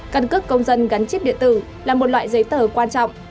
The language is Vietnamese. căn cước công dân gắn chip điện tử là một loại giấy tờ quan trọng